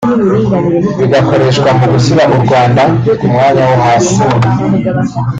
bigakoreshwa mu gushyira u Rwanda ku mwanya wo hasi